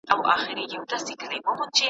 منتظر د خپل رویبار یو ګوندي راسي `